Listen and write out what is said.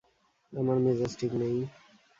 আমার মেজাজ ঠিক নেই।